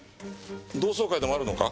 同窓会でもあるのか？